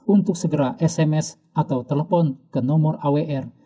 untuk segera sms atau telepon ke nomor awr